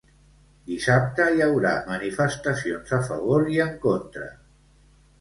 Dissabte hi haurà manifestacions a favor i en contra.